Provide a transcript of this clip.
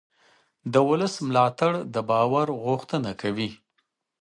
د ولس ملاتړ د باور غوښتنه کوي